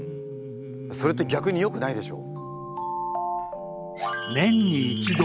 それって逆によくないでしょ。